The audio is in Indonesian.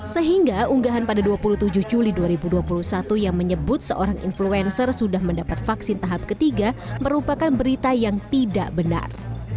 sehingga unggahan pada dua puluh tujuh juli dua ribu dua puluh satu yang menyebut seorang influencer sudah mendapat vaksin tahap ketiga merupakan berita yang tidak benar